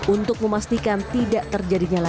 untuk memastikan tidak terjadinya lagi